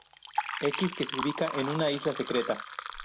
X que se ubica en una isla secreta.